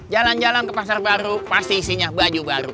jalan jalan ke pasar baru pasti isinya baju baru